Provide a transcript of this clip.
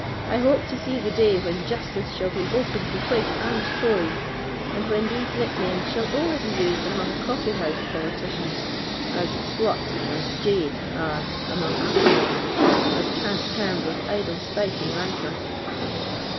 "I hope to see the day when justice shall be open to Whig and Tory, and when these nicknames shall only be used among coffee house politicians, as 'slut' and 'jade' are among apple women, as cant terms of idle spite and rancour."